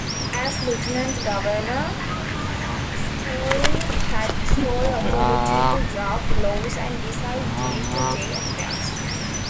As Lieutenant Governor, Stirling had sole authority to draft laws and decide day-to-day affairs.